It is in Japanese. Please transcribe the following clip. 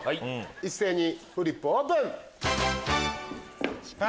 一斉にフリップオープン！